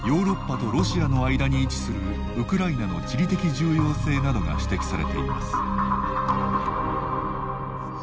ヨーロッパとロシアの間に位置するウクライナの地理的重要性などが指摘されています。